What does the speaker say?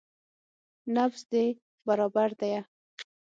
نبض دې برابر ديه.